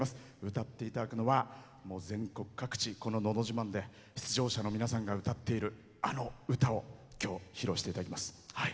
歌っていただくのはこの「のど自慢」で出場者の皆さんが歌っている、あの歌を今日、披露していただきます。